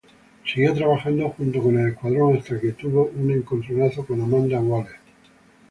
Siguió trabajando junto con el Escuadrón hasta que tuvo un encontronazo con Amanda Waller.